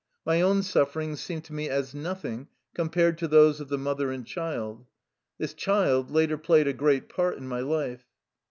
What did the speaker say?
My own sufferings seemed to me as noth ing compared to those of the mother and child. This child later played a great part in my life.